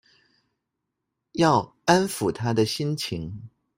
要安撫她的心情